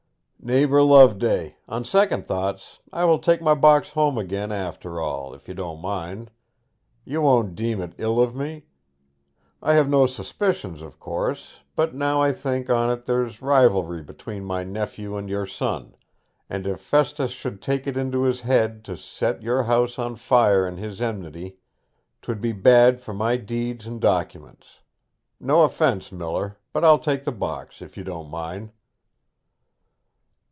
'Neighbour Loveday! on second thoughts I will take my box home again, after all, if you don't mind. You won't deem it ill of me? I have no suspicion, of course; but now I think on't there's rivalry between my nephew and your son; and if Festus should take it into his head to set your house on fire in his enmity, 'twould be bad for my deeds and documents. No offence, miller, but I'll take the box, if you don't mind.'